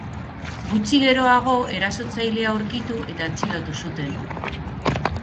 Gutxi geroago erasotzailea aurkitu eta atxilotu zuten.